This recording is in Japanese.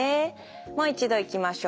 もう一度いきましょう。